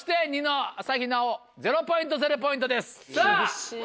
厳しい。